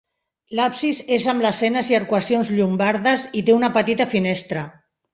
L’absis és amb lesenes i arcuacions llombardes i té una petita finestra.